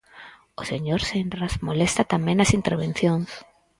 O señor Senras molesta tamén nas intervencións.